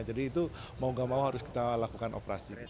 jadi itu mau tidak mau harus kita lakukan operasi